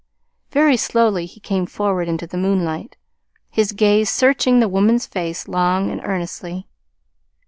Very slowly he came forward into the moonlight, his gaze searching the woman's face long and earnestly.